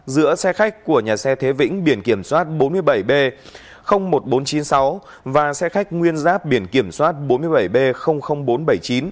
giữa xe khách của nhà xe thế vĩnh biển kiểm soát bốn mươi bảy b một nghìn bốn trăm chín mươi sáu và xe khách nguyên giáp biển kiểm soát bốn mươi bảy b bốn trăm bảy mươi chín